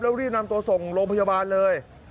แล้วรีบนำตัวส่งโรงพยาบาลเลย